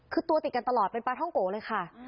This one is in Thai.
คือตัวติดกันตลอดเป็นปลาท่องโกะเลยค่ะ